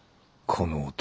この男